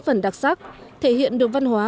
phần đặc sắc thể hiện được văn hóa